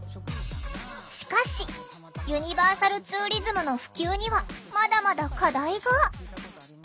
しかしユニバーサルツーリズムの普及にはまだまだ課題が。